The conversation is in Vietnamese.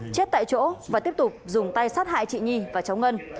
chết tại chỗ và tiếp tục dùng tay sát hại chị nhi và cháu ngân